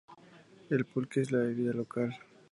El pulque es la bebida local.